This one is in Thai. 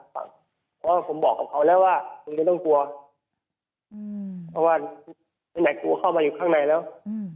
เพราะว่าผมบอกกับเขาแล้วว่ามึงไม่ต้องกลัวอืมเพราะว่าไหนกูเข้ามาอยู่ข้างในแล้ว